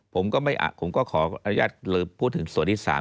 ผมก็ขออนุญาตพูดถึงส่วนที่สาม